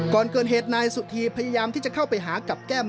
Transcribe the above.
ก่อนเกิดเหตุนายสุธีพยายามที่จะเข้าไปหากับแก้ม